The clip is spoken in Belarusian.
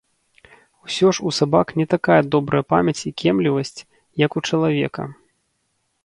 Усё ж у сабак не такая добрая памяць і кемлівасць, як у чалавека.